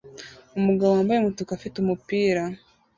Umugabo wambaye umutuku afite umupira